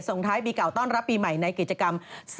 ส่งไทยบีเก่าต้อนรับปีใหม่ในเกียรติกรรม